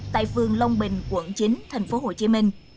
tại phường long bình quận chín tp hcm